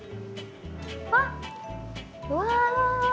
あっうわ！